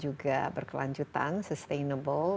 juga berkelanjutan sustainable